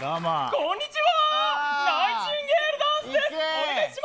こんにちは。